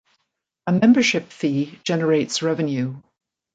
A membership fee generates revenue.